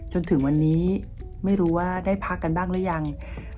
จนถึงวันนี้ไม่รู้ว่าได้พักกันบ้างหรือยัง